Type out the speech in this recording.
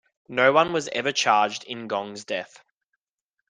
No one was ever charged in Gong's death.